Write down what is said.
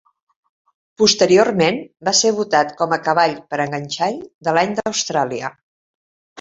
Posteriorment va ser votat com a cavall per a enganxall de l'any d'Austràlia.